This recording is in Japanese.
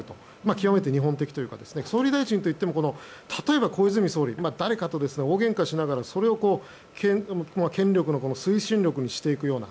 極めて日本的というか総理大臣といっても例えば小泉総理は誰かと大げんかしながらそれを権力の推進力にしていくような。